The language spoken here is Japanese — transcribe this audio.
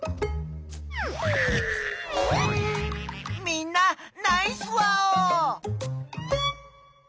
みんなナイスワオ！